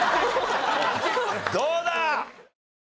どうだ？